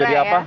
mau jadi apa